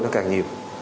nó càng nhiều